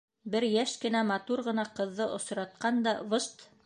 Бер йәш кенә, матур ғына ҡыҙҙы осратҡан да... выжт!